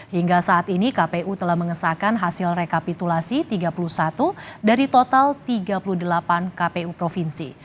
hingga saat ini kpu telah mengesahkan hasil rekapitulasi tiga puluh satu dari total tiga puluh delapan kpu provinsi